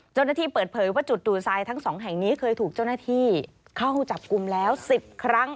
เจ้าหน้าที่เปิดเผยว่าจุดดูดทรายทั้งสองแห่งนี้เคยถูกเจ้าหน้าที่เข้าจับกลุ่มแล้ว๑๐ครั้ง